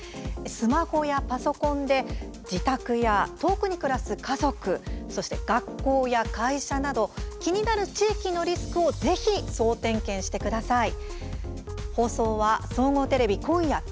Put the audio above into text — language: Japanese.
スマホやパソコンで自宅や遠くに暮らす家族そして学校や会社など気になる地域のリスクをぜひ総点検してください。